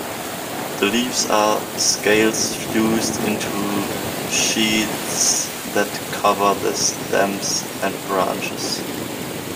The leaves are scales fused into sheaths that cover the stems and branches.